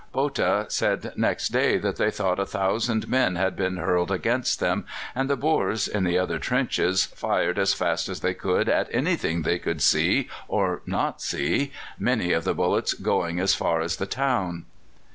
Botha said next day that they thought a thousand men had been hurled against them, and the Boers in the other trenches fired as fast as they could at anything they could see or not see, many of the bullets going as far as the town.